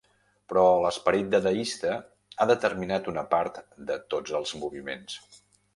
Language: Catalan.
Però l'esperit dadaista ha determinat una part de tots els moviments.